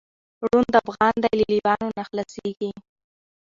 ړوند افغان دی له لېوانو نه خلاصیږي